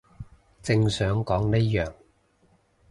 正想講呢樣